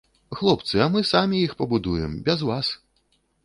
Хлопцы, а мы самі іх пабудуем, без вас.